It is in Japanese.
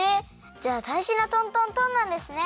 じゃあだいじなトントントンなんですね！